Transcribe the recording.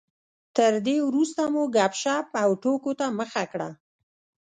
تر دې وروسته مو ګپ شپ او ټوکو ته مخه کړه.